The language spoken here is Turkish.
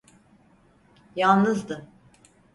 Yalnızdı.